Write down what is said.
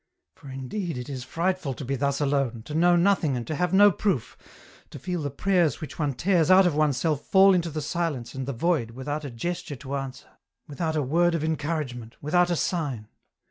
for indeed it is frightful to be thus alone, to know nothing and have no proof, to feel the prayers which one tears out of oneself fall into the silence and the void without a gesture to answer, without a word of encouragement, without a sign.